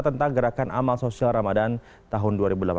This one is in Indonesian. tentang gerakan amal sosial ramadan tahun dua ribu delapan belas